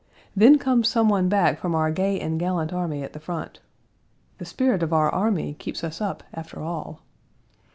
Then comes some one back from our gay and gallant army at the front. The spirit of our army keeps us up after all.